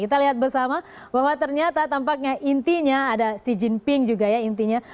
kita lihat bersama bahwa ternyata tampaknya intinya ada xi jinping juga ya intinya